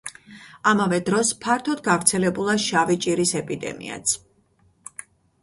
ამავე დროს, ფართოდ გავრცელებულა შავი ჭირის ეპიდემიაც.